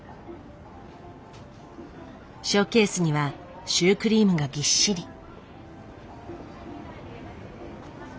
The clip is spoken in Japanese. ショーケースにはシュークリームがぎっしり。